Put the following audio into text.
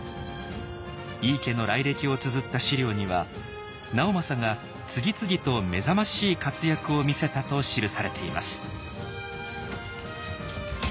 井伊家の来歴をつづった史料には直政が次々と目覚ましい活躍を見せたと記されています。